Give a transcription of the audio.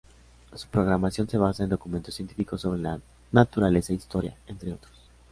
Su programación se basa en documentales científicos, sobre la naturaleza e historia, entre otros.